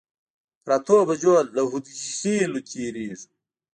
پر اتو بجو له هودخېلو تېرېږي.